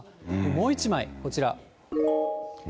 もう１枚、こちら。